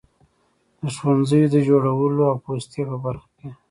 د ښوونځیو د جوړولو او پوستې په برخه کې.